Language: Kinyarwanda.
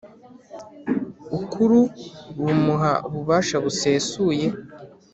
ukuru bumuha ububasha busesuye